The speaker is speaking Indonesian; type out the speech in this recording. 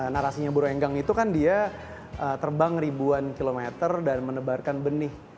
narasinya buru enggang itu kan dia terbang ribuan kilometer dan menebarkan benih